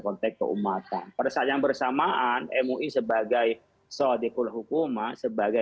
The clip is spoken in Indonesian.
kita tangani bahwa